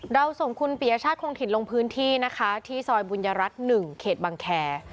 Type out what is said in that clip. เราสมคุณปเชฟของถิ่นลงพื้นที่นะคะที่ซอยบุญญารักษ์หนึ่งเครดบังแคร